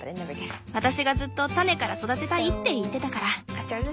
私がずっと種から育てたいって言ってたから。